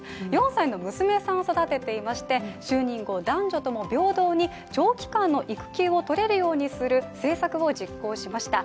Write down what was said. ４歳の娘さんを育てていまして就任後、男女とも平等に長期間の育休をとれるような政策を実行しました。